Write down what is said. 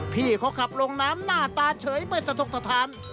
พี่เขากลับลงน้ำหน้าตาเฉยไม่สนุกตะทัน